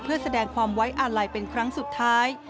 เพื่อแสดงความไว้อาลัยเป็นครั้งสุดท้าย